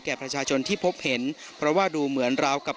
ประชาชนที่พบเห็นเพราะว่าดูเหมือนเรากับ